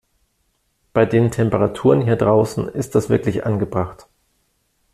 Bei den Temperaturen hier draußen ist das wirklich angebracht.